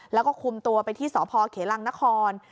แล้วก็คุมตัวไปที่สพเขลังนคร